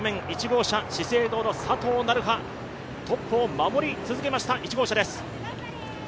１号車、資生堂の佐藤成葉、トップを守り続けました。